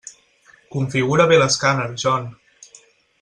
Configura bé l'escàner, John.